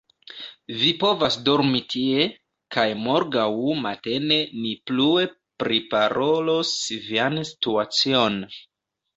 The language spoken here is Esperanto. Vi povas dormi tie, kaj morgaŭ matene ni plue priparolos vian situacion.